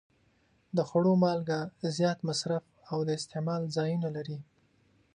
د خوړو مالګه زیات مصرف او د استعمال ځایونه لري.